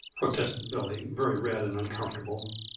protested Billy, very red and uncomfortable.